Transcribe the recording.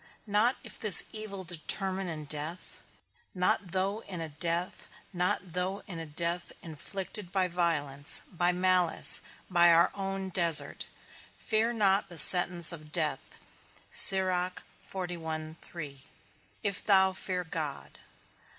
not if this evil determine in death? Not though in a death; not though in a death inflicted by violence, by malice, by our own desert; fear not the sentence of death, if thou fear God.